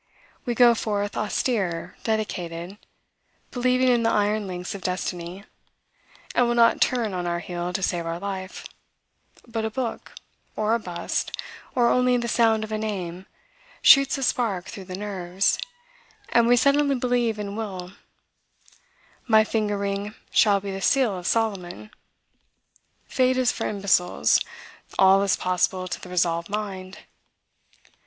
We go forth austere, dedicated, believing in the iron links of Destiny, and will not turn on our heel to save our life; but a book, or a bust, or only the sound of a name, shoots a spark through the nerves, and we suddenly believe in will: my finger ring shall be the seal of Solomon: fate is for imbeciles: all is possible to the resolved mind.